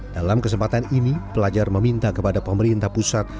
dalam kesempatan ini pelajar meminta kepada pemerintah pusat